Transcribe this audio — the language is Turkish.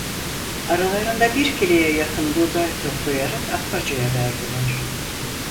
Aralarında bir kileye yakın buğday toplayarak Atmaca’ya verdiler.